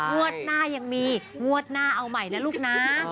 งวดหน้ายังมีงวดหน้าเอาใหม่นะลูกนะ